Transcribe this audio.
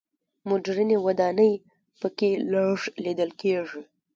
مډرنې ودانۍ په کې لږ لیدل کېږي.